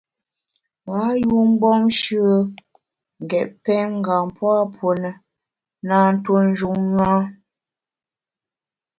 Ghâ yun mgbom shùe n’ ngét pèngam pua puo ne, na ntuo njun ṅa.